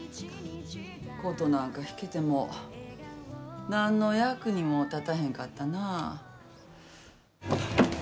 琴なんか弾けても何の役にも立たへんかったなあ。